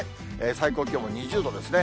最高気温２０度ですね。